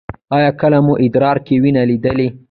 ایا کله مو ادرار کې وینه لیدلې؟